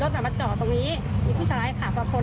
แล้วสักท่ากันก็มีเพราะว่าได้ข่าวว่ามีคนอ่ะ